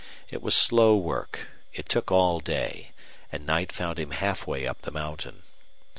It was slow work; it took all day; and night found him half way up the mountain.